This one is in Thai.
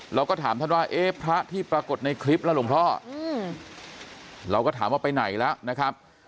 เราก็ถามท่านว่าเอ๊ะพระที่ปรากฏในคลิปแล้วหลวงพ่อเราก็ถามว่าไปไหนแล้วนะครับ